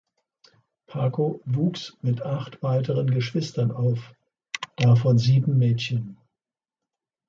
Paco wuchs mit acht weiteren Geschwistern auf, davon sieben Mädchen.